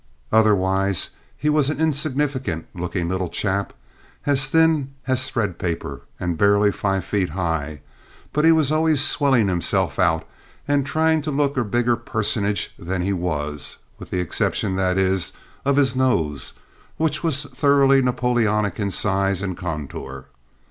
Otherwise, he was an insignificant looking little chap, as thin as threadpaper and barely five feet high; but he was always swelling himself out, and trying to look a bigger personage than he was, with the exception that is, of his nose, which was thoroughly Napoleonic in size and contour.